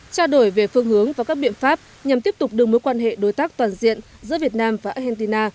trao đổi về phương hướng và các biện pháp nhằm tiếp tục đưa mối quan hệ đối tác toàn diện giữa việt nam và argentina